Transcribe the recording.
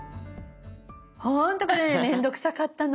ほんとこれ面倒くさかったの。